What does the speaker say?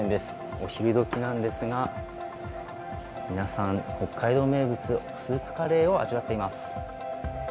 お昼どきなんですが、皆さん、北海道名物スープカレーを味わっています。